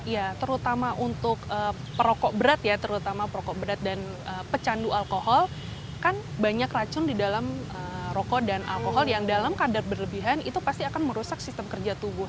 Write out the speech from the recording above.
ya terutama untuk perokok berat ya terutama perokok berat dan pecandu alkohol kan banyak racun di dalam rokok dan alkohol yang dalam kadar berlebihan itu pasti akan merusak sistem kerja tubuh